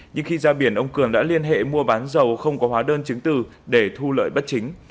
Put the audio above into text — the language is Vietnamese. nhưng khi ra biển ông cường đã liên hệ mua bán dầu không có hóa đơn chứng từ để thu lợi bất chính